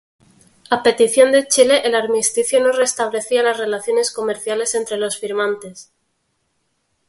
A petición de Chile el armisticio no restablecía las relaciones comerciales entre los firmantes.